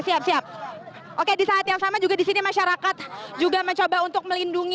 siap siap oke di saat yang sama juga di sini masyarakat juga mencoba untuk melindungi